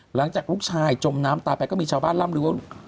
หลังจากลูกชายจมน้ำตายไปก็มีชาวบ้านร่ำลือว่า